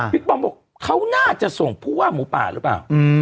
ปอมบอกเขาน่าจะส่งผู้ว่าหมูป่าหรือเปล่า